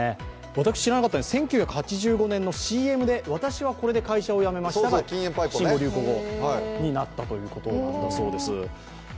私、知らなかったんですが、１９８５年のＣＭで私はこれで会社を辞めましたが新語・流行語になったそうです。